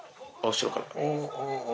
後ろから。